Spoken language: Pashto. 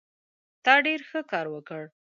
ته ډېر ښه کار وکړ.